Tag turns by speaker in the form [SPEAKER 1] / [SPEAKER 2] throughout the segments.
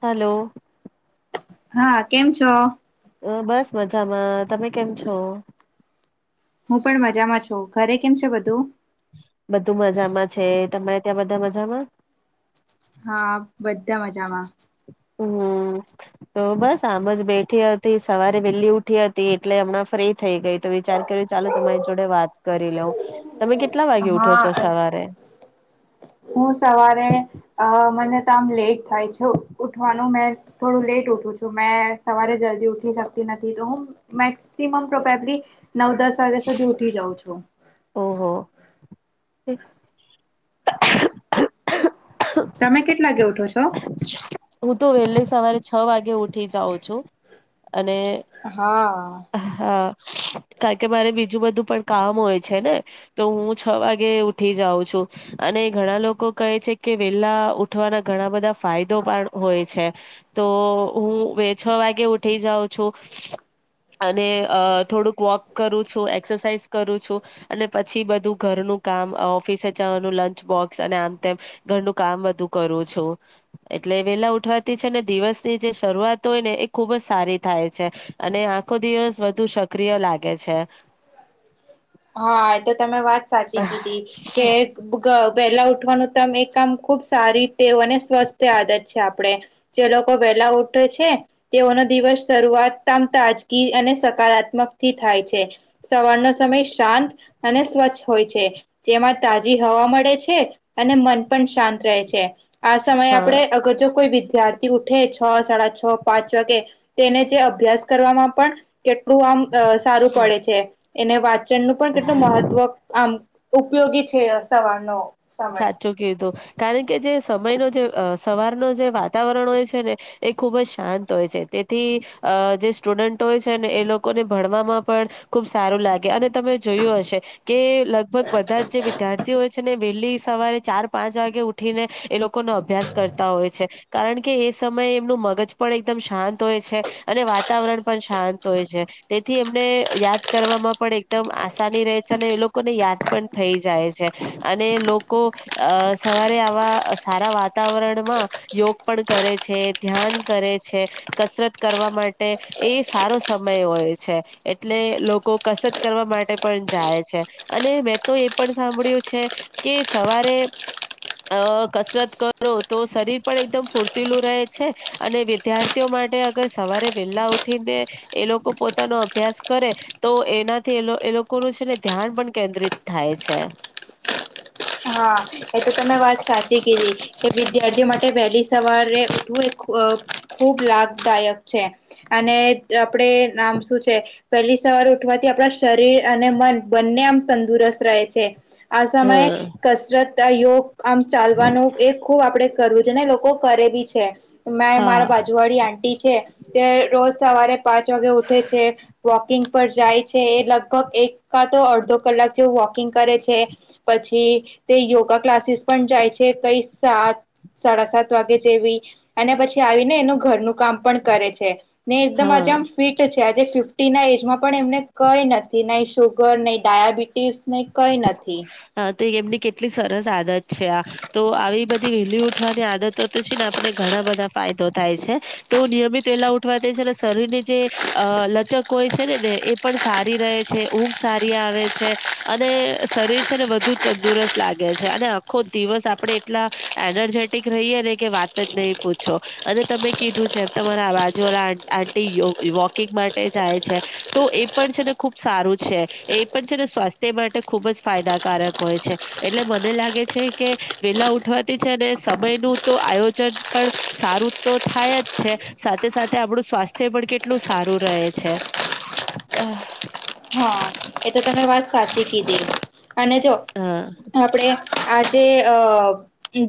[SPEAKER 1] Hello.
[SPEAKER 2] હા કેમ છો?
[SPEAKER 1] અ બસ મજામાં તમે કેમ છો?
[SPEAKER 2] હું પણ મજામાં છું ઘરે કેમ છે બધું
[SPEAKER 1] બધું મજામાં છે તમારે ત્યાં બધા મજામાં.
[SPEAKER 2] હા બધા મજા
[SPEAKER 1] હમ તો બસ આમ જ બેઠી હતી સવારે વહેલી ઉઠી હતી એટલે હમણાં ફ્રી થઈ ગઈ તો વિચાર કર્યો ચાલો તમારી જોડે વાત કરી લઉવ કેટલા વાગે ઉઠો છો
[SPEAKER 2] હા
[SPEAKER 1] સવારે
[SPEAKER 2] હું સવારે અ મને તો આમ લેટ થાય છે ઉઠવાનું મેં થોડું લેટ ઉઠુવ મે સવારે જલ્દી ઉઠી શકતી નથી તો હું મેક્સિમ નવ દસ વાગ્યા સુધી ઉઠી જાઉ છું
[SPEAKER 1] ઓહ.
[SPEAKER 2] તમે કેટલા વાગ ઉઠો છો?
[SPEAKER 1] હું તો વહેલે સવારે છ વાગે ઉઠી જાઉં છું અને
[SPEAKER 2] હા
[SPEAKER 1] હા કારણ કે મારે બીજું બધું પણ કામ હોય છે ને તો હું છ વાગે ઉઠી જાઉં છું અને ઘણા લોકો કહે છે કે વેલા ઉઠવાના ઘણા બધા ફાયદો પણ હોય છે તો હું બે છ વાગે ઉઠી જાઉં છો અને અ થોડુંક વોક કરું છું એસરસાઝ કરું છું અને પછી બધું ઘરનું કામ અ ઓફિસે જવાનું લંચ આમ તેમ ઘરનું કામ બધું કરું છો એટલે વેલા ઉઠવાતી છે ને દિવસ ની જે શરૂઆત હોય ને એ ખુબ જ સારી થાય છે અને આખો દિવસ બ વધુ સક્રિય લાગે છે.
[SPEAKER 2] હા એ તો તમે વાત સાચી કીધી કે ક વહેલા ઉઠવાનું તમ એ કામ ખુબ સારીતે અને સ્વસ્થ આદત છે આપણે જે લોકો વ પેલા ઉઠે છે તેઓનો દિવસ શરૂઆતમ તાજગી અને સકારાત્મક થી થાય છે. સવાર નો સમય શાંત અને સ્વચ્છ હોય છે જેમાં તાજી હવા મળે છે અને મન પણ શાંત રહે છે આ સમયે આપડે
[SPEAKER 1] હા.
[SPEAKER 2] અગર જો કોઈ વિ વિઘાથી ઉઠે છ સાડા છ પાંચ વાગે તેને જે અભ્યાસ કરવામાં પણ કે આપડું આમ અ સારું પડે છે એને વાચનનું પણ કેટલું મહત્વ આમ ઉપયોગી છે સવારનો સમય
[SPEAKER 1] સાચું કીધું કારણ કે જે સમયનો જેઅ સવાર ન જે વાતાવરણ હોય છે ને એ ખુબ જ શાંત હોય છે... તેથી અ જે સ્ટુડન્ટ હોય છે ને એ લોકોને ભણવામાં પણ ખૂબ સારું લાગે અને તમે જોયું હશે કે લગભગ બધા જ જે વિદ્યાર્થીઓ હોય છે ને વહેલી સવારે ચાર પાંચ વાગે ઉઠીને એ લોકોનો અભ્યાસ કરતા હોય છે કારણ કે એ સમય ટે એમનું મગજ પણ એકદમ શાંત હોય છે અને વાતાવરણ પણ શાંત હોય છે તેથી એમને યાદ કરવામાં પણ એકદમ આસાની રેહ છે ને એ લોકોને યાદ પણ થઈ જાય છે. અને લોકો અ સવારે આવા સારા વાતાવરણમાં યોગ પણ કરે છે, ધ્યાન કરે છે, કસરત કરવા માટે એ સારો સમય હોય છે. એટલે લોકો કસરત કરવા માટે પણ જાય છે અને મેં તો એ પણ સાંભળ્યું છે. કે સવારે અ કસરત કરો તો શરીર પણ એકદમ ફૂર્તીલું રહે છે અને વિદ્યાર્થીઓ મા માટે અ સવારે વેલા ઉઠીને એ લોકો પોતાનો અભ્યાસ કરે, તો એનાથી એ લો એ લોકોનું છે ને ધ્યાન પણ કેન્દ્રિત થાય છે.
[SPEAKER 2] હા, એ તો તમેં વાત સાચી કીધી. કે વિદ્યાર્થી માટે વેહલી સવારે ઉઠવું એ ખુ અ ખૂબ લાભદાયક છે. અને આપણેે નામ શું છે પેહલી સવારે ઉઠવાથી આપણા શરીર અને મન બંને આમ તંદુરસ્ત રહે છે. આ સમયે
[SPEAKER 1] હા
[SPEAKER 2] કસરત, યોગ, આમ ચાલવાનું એ ખુબ આપડે કરવું છે ને લોકો કરે બી છે, મેં
[SPEAKER 1] હા.
[SPEAKER 2] મારા બાજુ વાળી આંટી છે તે રોજ સવારે પાંચ વાગે ઉઠે છે, વોકિંગ પર જાય છે, એ લગભગ એક કાતો અડધો કલાક જેવું વોકિંગ કરે છે, પછી તે યોગા ક્લાસીસ પણ જાય છે, કઈ સાત સાડા સાત વાગે જેવી અને પછી આવીને એનું ઘરનું કામ પણ કરે છે. ને એકદમ આજે
[SPEAKER 1] હા.
[SPEAKER 2] આમ ફિટ છે, આજે ફીફ્ ટી ના એજમાં પણ એમને કઈ નથી, નહી શુગર નહી ડાયાબિટીસ. ને કઈ નથી.
[SPEAKER 1] તે એમની કેટલી સરસ આદત છે આ, તો આવી બધી વેહલી ઉઠવાની આદતો તો છે ને આપણે ઘણા બધા ફાયદો થાય છે તો નિયમિત વેલા ઉઠવા થી છે ને સરીરની જે અ લચક હોય છે નેે ને એ પણ સારી રહે છે, ઊંઘ સારી આવે છે અ ને શરીર છે ને વધુ તંદુરસ્ત લાગે છે અને આખો દિવસ આપણે એટલા એનજેટિ ક રહીયે ને કે વાત જ નહી પૂછો અને તમે કીધું છે, તમારા આ બાજુ વાળા આં આંટી યોગ વોકિંગ માટે જાય છે, તો એ પણ છે ને ખુબ સારું છે, એ પણ છે ને સ્વા તે માટે ખુબ જ ફાયદાકારક હોય છે. એટલે મને લાગે છે કે વેલા ઉઠવાતી છે ને સમયનું તો આયોજન પણ સારું તો થાય જ છે, સાથે સાથે આપણું સ્વાસ્થ્ય પણ કેટલું સારું રહે છે. અહ.
[SPEAKER 2] હા એ તો તમે વાત સાચી કીધી અને જો,
[SPEAKER 1] હા
[SPEAKER 2] આપડે આજે અ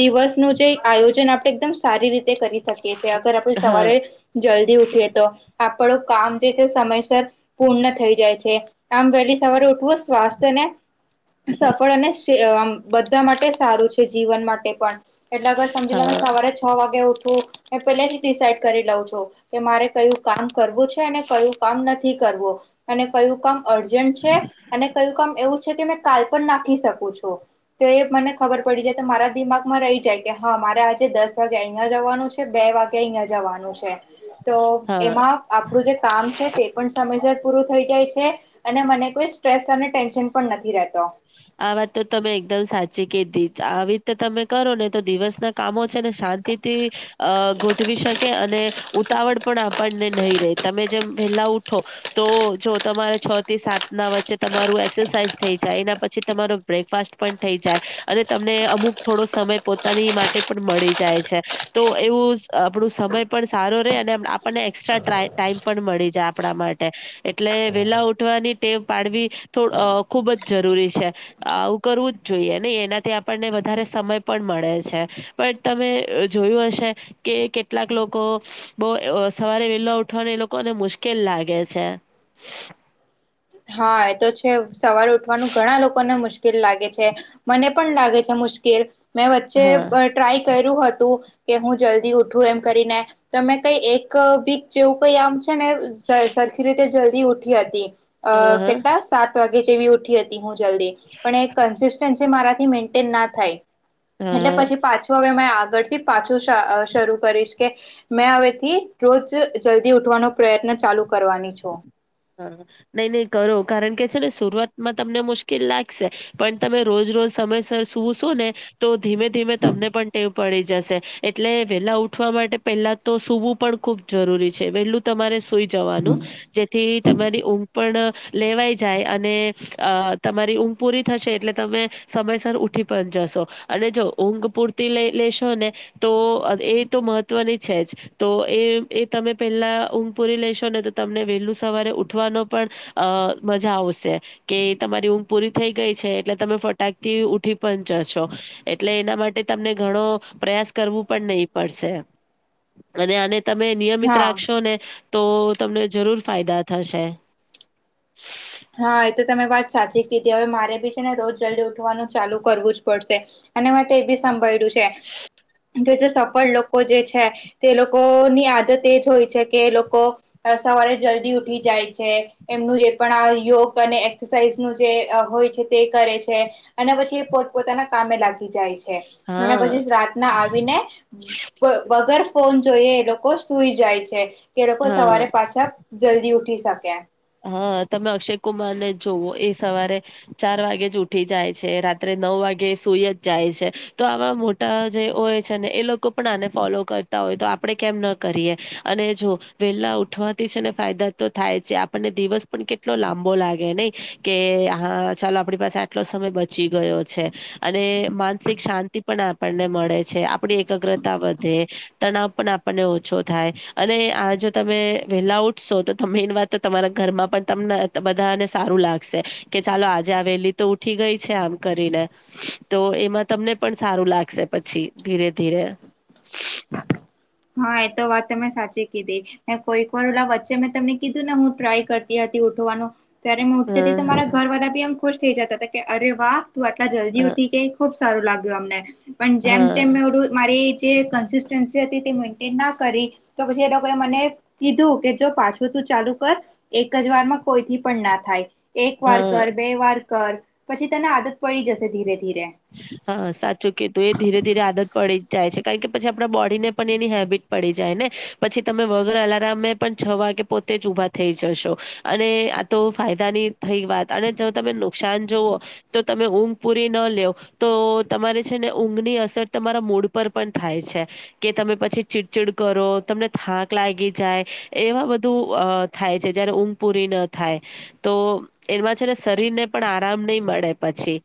[SPEAKER 2] દિવસ નું જે આયોજન આપે એકદમ સારી રીતે કરી શકીએ છે અગર આપણે
[SPEAKER 1] હા
[SPEAKER 2] સવારે જલ્દી ઉઠીએ તો, આપણું કામ જે તે સમયસર પૂર્ણ થઈ જાય છે, આમ વેહલી સવારે ઉઠવું સ્વાસ્થ્ય ને સફળ અને શ્રે અ બધા માટે સારું છે જીવન માટે પણ. એટલે કો સમજી
[SPEAKER 1] હા
[SPEAKER 2] લો‌‌‍ને સવારે છો વાગે ઉઠવું એ પેલેથી ડિસાઇડ કરી લઉં છું કે મારે કયું કામ કરવું છે અને કયું કામ નથી કરવું. અને કયું કામ અર્જન્ટ છે અને કયું કામ એવું છે કે મેં કાલ પણ નાખી શકું છું, તે મને ખબર પડી જાય તો મારા દિમાગમાં રહી જાય કે હા મારે આજે દસ વાગે અહીંયા જવાનું છે, બે વાગે અહીંયા જવાનું છે. તો
[SPEAKER 1] હા.
[SPEAKER 2] એમાં આપણું જે કામ છે તે પણ સમયસર પૂરું થઈ જાય છે અને મને કોઈ સ્ટ્રેસ અને ટેન્શન પણ નથી રેહ
[SPEAKER 1] આ વાત તો તમે એકદમ સાચી કીધી, આવી રીતે તમે કરો ને તો દિવસના કામો છે ને શાંતિ થી અ ગોઠવી શકે અને ઉતાવળ પણ આપણને નહી રે તમે જેમ વેહલા ઉઠો તો, જો તમારે છ થી સા ત ના વચ્ચે તમારું એક્સરસાઈઝ થઈ જાય, એના પછી તમારો બ્રેકફાસ્ટ પણ થઈ જાય અને તમને અમુક થોડો સમય પોતાની માટે પણ મળી જા ય છે, તો એવું આપણું સમય પણ સારો રેહ અને અમ આપણને એસ્ટ્રા ટ્રા ટાઈમ પણ મ ળી જાય આપણા માટે. એટલે વેહલા ઉઠવાની ટેવ પાડવી થો અ ખુબ જ જરૂરી છે આવું કરવું જ જોઈએ નહી એનાથી આપણને વધારે સમય પણ મળે છે પણ તમે જોયું હશે કે કેટલાક લોકો બહ સવારે વેલા ઉઠવાની એ લોકોને મુશ શ્કેલ લાગે છે.
[SPEAKER 2] હા એ તો છે સવાર ઉઠવાનું ઘણા લોકોને મુશ્ કીલ લાગે છે મને પણ લાગે છે મુશ્કેલ મેં વચ્ચે
[SPEAKER 1] હા.
[SPEAKER 2] ટ્રાય કર્યું હતું કે હું જલ્દી ઉઠું એમ કરીને તમે કઈ એક બી જેવું કઈ આમ છે ને સરખી રીતે જલ્દી ઉઠી હતી અ
[SPEAKER 1] હા, હા,
[SPEAKER 2] કેટલા સાત વાગ્ ગે જેવી ઉઠી હતી હું જલ્દી પણ એ કન્સિન્સી મારાથી મેન્ટેન ના થાય.
[SPEAKER 1] હા,
[SPEAKER 2] એટલે
[SPEAKER 1] હા.
[SPEAKER 2] પછી પાછું હવે મે આ ગથી પાછું શરૂ કરીશ કે મેં હવેથી રોજ જલ્દી ઉઠવાનો પ્રયત્ન ચાલુ કરવાની છો.
[SPEAKER 1] હા નહી નહી કરો કારણ કે છે ને શરૂઆતમાં તમને મુશ્કેલ લાગશે પણ તમે રોજ રોજ સમયસર સુવું છો ને તો ધીમે ધીમે તમને પણ ટેવ પડી જશે એટલે વેલા ઉઠવા માટે પેલા તો સુવું પણ ખુબ જરૂરી છે વેલું તમારે સુઈ જવાનું જેથી તમારી ઊંઘ પણ લેવાઈ જાય અને અ તમારી ઊંઘ પૂરી થશે એટલે તમે સમયસર ઉઠી પડ પણ જસો અને જો ઊંઘ પૂરતી લઈ લેશો ને તો એ તો મહત્વની છે જ. તો એ એ તમે પેલા ઊંઘ પુરી લેશો ને તો તમને વહેલું સવારે ઉઠવાનો પણ અ મજા આવશે કે તમારી ઉઊમ પૂરી થઈ ગઈ છે. એટલે તમે ફટાકથી ઉઠી પણ જશો એટલે એના માટે તમને ઘણો પ્રયાસ કરવો પન નહી પડશે અને આને તમે નિયમિત
[SPEAKER 2] હા
[SPEAKER 1] રાખશો ને તો તમને જરૂર ફાયદા થશે.
[SPEAKER 2] હા એ તો તમે વાત સાચી કીધી હવે મારે બી છે ને રોજ જલ્દી ઉઠવાનું ચાલુ કરવું જ પડશે. અને મે તે બી સાંભળ્યું છે કે સફળ લોકો જે છે તે લોકો ની આદત એજ હોય છે કે લોકો સવારે જ દી ઉઠી જાય છે એમનું જે પણ આ યોગ અને એક્સરસાઇઝ નું જે હોય છે તે કરે છે અને પછી એ પોત પોતાના કામે લાગી જાય છે. અને
[SPEAKER 1] હા,
[SPEAKER 2] પછી રાતના આવીને વગર ફોન જોઈએ એ લોકો સુૂઈ જાય છે કે એ લોકો
[SPEAKER 1] હા.
[SPEAKER 2] સવારે પાછા જલ્દી ઉઠી શકે.
[SPEAKER 1] હા તમે અક્ષય કુમાર ને જોવઓ એ સવારે ચાર વાગે જ ઉઠી જાય છે રાત્રે નવ વાગે સુઈ જ જાય છે તો આવા મોટા જે હોય છે ને એ લોકો પણ આને ફોલો કરતા તો આપણે કેમ ન કરીએ અને જો વેલા ઉઠવાથી છે ને ફાયદા તો થાય છે. ને દિવસ પણ કેટલો લાંબો લાગે નહી કે હા ચાલો આપણી પાસે આટલો સમય બચી ગયો. [unintelligible] અને માનસિક શાંતિ પણ આપણને મળે છે આપણી એકાગ્રતા વધે તણાવ પણ આપણને ઓછો થાય અને આ જો તમે વેલા ઉઠશો તો તમે એન વાત તો તમારા ઘરમાં પણ તમને બધાને સારું લાગશે કે ચાલો આજે આવેલી તો ઉઠી ગઈ છે આમ. કરીને તો એમાં તમને પણ સારું લાગશે પછી ધીરે ધીરે.
[SPEAKER 2] હા એ તો વાત તમે સાચી કીધી કોઈક વારલા વચ્ચે મેં તમને કીધું ને હું ટ્રાય કરતી હતી. ઉઠવાનો. ત્યારે મે ઉઠતી હતી તો
[SPEAKER 1] હા
[SPEAKER 2] મારા ઘર વાળા બી એમ ખુશ થઈ જતા હતા કે અરે વાહ તું આટલા જલ્દી
[SPEAKER 1] હા
[SPEAKER 2] ઉઠી ગઈ ખુબ સારું લાગુ અમને પણ
[SPEAKER 1] હા
[SPEAKER 2] જેમ જેમ મારું મારી જે કેન્સ્ટિટન્સી હતી તે મેન્ટન ના કરી તો પછી એ લોકો મને કીધું કે જો પાછું તું ચાલુ કર એક જ વારમાં કોઈથી પણ ના થાય. એક વાર
[SPEAKER 1] હા.
[SPEAKER 2] કર બે વાર કર પછી તેને આદત પડી જશે ધીરે. ધીરે
[SPEAKER 1] હા સાચું કેતું એ ધીરે ધીરે આદત પડી જાય છે. કારણ કે પછી આપણા બોડીને પણ એની હેબિટ પડી જાય ને પછી તમે વગર અલાર્મ પણ છ વાગે પો તે જ ઊભા થઈ જશો અને આ તો ફાયદાની થઈ વાત અને જો તમે નુકસાન જવઓ. તો તમે ઊંઘ પુરી ન લેવ તો તમારે છે ને ઊંઘની અસર તમારા મૂડ પર પણ થાય છે કે તમે પછી ચીડચીડ કરો. તમને થાંક લાગી જાય, એવા બધું થાય છે, જયારે ઊંઘ પૂરી ન થાય તો એમાં છે ને, શરીરને પણ આરામ નહી, મળે પછી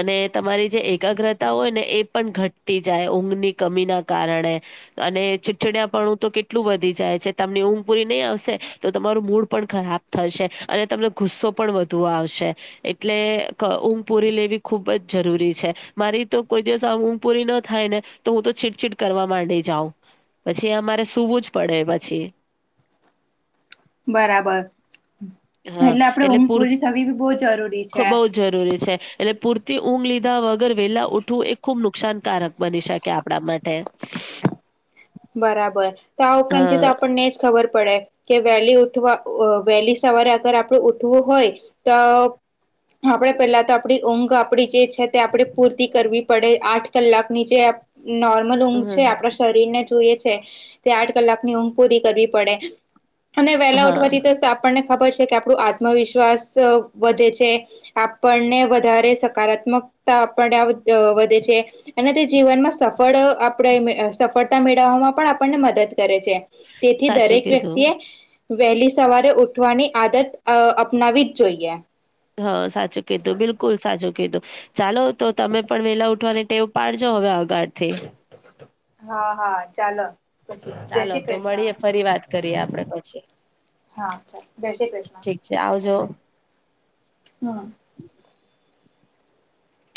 [SPEAKER 1] અને તમારી જે એકાગ્રતા હોય, ને એ પણ ઘટતી જાય, ઊંઘની કમીના કારણે અને ચીડછડયાપણું તો કેટલું વધી જાય છે, તમને ઊંઘ પુરી નહી, આવશે તો તમારું મૂળ પણ ખરાબ થશે, અને તમને ગુસ્સો પણ વધુ આવશે, એટલે ઉમ પુરી લ એવી ખુબ જ જરૂરી છે, મારી તો કોઈ દિવસ આ ઊંઘ પૂરી ન થાય, ને તો હું તો છીટછીટ કરવા માંડીશ વ પછી, અમારે સુવું જ પડે પછી.
[SPEAKER 2] બરાબર,
[SPEAKER 1] હા
[SPEAKER 2] એટલે આપડે ઊંમઘ
[SPEAKER 1] પૂર
[SPEAKER 2] પૂરી થવી બી બહ જરૂરી
[SPEAKER 1] ખ
[SPEAKER 2] છે.
[SPEAKER 1] બહુ જ જરૂરી છે એટલે પૂરતી ઊંઘ લીધા વગર વેલા ઉઠવું, એ ખુબ નુકસાનકારક બની શકે આપણા માટે
[SPEAKER 2] બરાબર, તો આ ઉપરાંત થી તો
[SPEAKER 1] હા
[SPEAKER 2] આપણને જ ખબર પડ પડે કે વહેલી, ઉઠવા વહેલી સવારે અગર આપડું ઉઠવું હોય, તો આપણે પેલા તો આપણી ઊંઘ આપડી જે છે, તે આપણે પૂરતી કરવી પડે આઠ કલાકની જે નોર્મલ ઊંઘ છે,
[SPEAKER 1] હ
[SPEAKER 2] આપણા શરીર ને જ જોઈએ છે, તે આઠ કલાક ની ઊંઘ પૂરી કરવી પડે અને વહેલા ઉઠવાથી.
[SPEAKER 1] હા
[SPEAKER 2] તો આપણને ખબર છે, કે આપણું આત્મવિશ્વાસ વધે છે, આપણને વધારે સકારાત્મક આપ વધે છે, અને તે જીવનમાં સફળ આપણે સફળ મેળવવામાં પણ આપણને મદદ કરે છે, તેથી
[SPEAKER 1] સાચું
[SPEAKER 2] દરેક
[SPEAKER 1] કીધું.
[SPEAKER 2] વ્યક્તિએ વહેલી સવારે ઉઠવાની આદત અપનાવી જ જોઈએ
[SPEAKER 1] હા, સાચું કીધું બિલકુલ સાચું કીધું ચાલો, તો તમે પણ વેલા ઉઠવાને ટેવ પાડજો હવે આથી
[SPEAKER 2] હા, હા ચાલ પછી, જય
[SPEAKER 1] ચાલો
[SPEAKER 2] શ્રી
[SPEAKER 1] તો
[SPEAKER 2] કૃષ્ણ
[SPEAKER 1] મળીએ ફરી વાત કરીએ આપડે પછી
[SPEAKER 2] હા, ચા જય શ્રી કૃષ્ણ.
[SPEAKER 1] ઠીક છે આવજો.
[SPEAKER 2] હા